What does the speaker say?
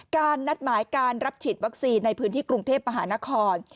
นัดหมายการรับฉีดวัคซีนในพื้นที่กรุงเทพมหานคร